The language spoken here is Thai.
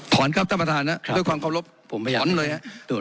ถอนครับต้านประธานครับครับด้วยความขอบรับผมไม่อยากถอนเลยครับ